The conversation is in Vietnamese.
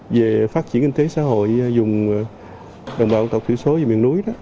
về phát triển kinh tế xã hội dùng đồng bào tộc thủy số về miền núi đó